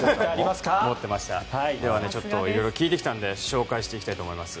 では、いろいろ聞いてきたので紹介していきたいと思います。